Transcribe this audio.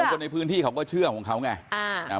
คนในพื้นที่เค้าก็เชื่อของเค้าไงอ่า